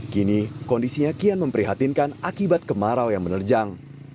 kini kondisinya kian memprihatinkan akibat kemarau yang menerjang